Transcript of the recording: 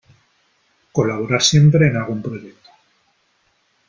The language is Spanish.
Colaborar siempre en algún proyecto.